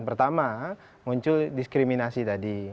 pertama muncul diskriminasi tadi